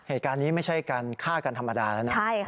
เหตุการณ์นี้ไม่ใช่การฆ่ากันธรรมดาแล้วนะ